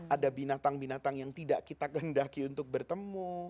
ada binatang binatang yang tidak kita kehendaki untuk bertemu